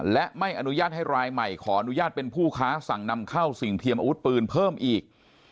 และไม่อนุญาตให้รายใหม่ขออนุญาตเป็นผู้ค้าสั่งนำเข้าสิ่งเทียมอาวุธปืนเพิ่มอีก